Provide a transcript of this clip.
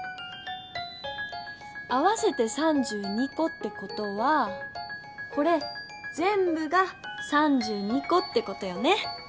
合わせて３２こってことはこれぜんぶが３２こってことよね。